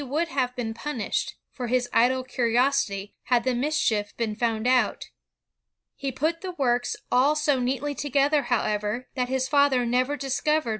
would have been punished ... for his idle curi osity, had the mischief been found out. He put the works all so neatly together, however, that his father never dis covered